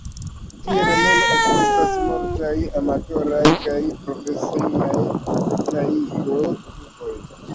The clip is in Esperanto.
Tiele nun ekzistas multaj amatoraj kaj profesiaj Taiko-grupoj.